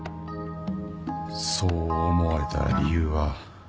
そう思われた理由は。